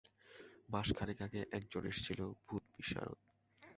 মাসখানেক আগে একজন এসেছিল ভূতবিশারদ।